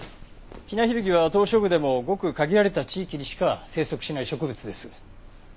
ヒナヒルギは島嶼部でもごく限られた地域にしか生息しない植物です。